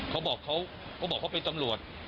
เขาบอกเขาเป็นตำรวจ